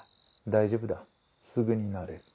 大丈夫だすぐに慣れる。